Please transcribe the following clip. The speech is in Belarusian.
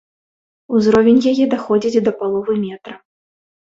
Узровень яе даходзіць да паловы метра.